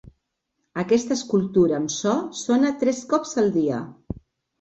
Aquesta escultura amb so sona tres cops al dia.